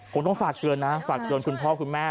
คงต้องฝากเกิญนะฝากเกินคุณพ่อคุณแม่